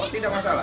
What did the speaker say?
oh tidak masalah